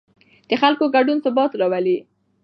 د خلکو ګډون ثبات راولي